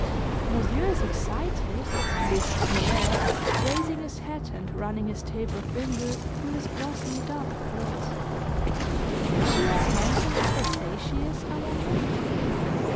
"Monsieur is excited," lisped the lad raising his hat and running his taper fingers through his glossy, dark curls. "Is she as handsome as they say she is, I wonder?"